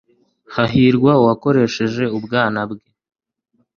hahirwa uwakoresheje ubwana bwe